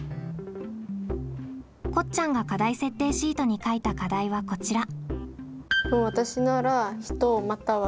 こっちゃんが課題設定シートに書いた課題はこちら。